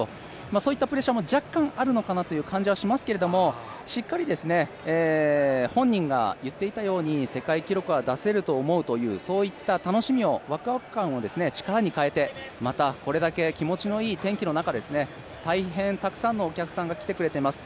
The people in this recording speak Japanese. そういったプレッシャーも若干あるのかなという感じはしますけれどもしっかり本人が言っていたように、世界記録は出せると思うという、そういった楽しみを、わくわく感を力に変えてまたこれだけ気持ちのいい天気の中、大変たくさんのお客さんが来てくれています。